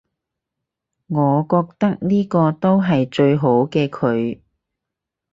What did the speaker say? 我覺得呢個都係最好嘅佢